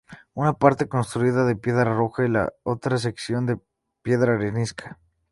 Una parte está construida de piedra roja y la otra sección de piedra arenisca.